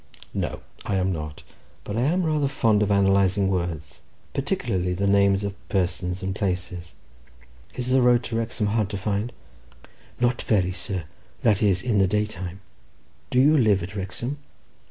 "No, I am not—but I am rather fond of analysing words, particularly the names of persons and places. Is the road to Wrexham hard to find?" "Not very, sir; that is, in the day time. Do you live at Wrexham?"